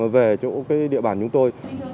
về chỗ địa bàn chúng tôi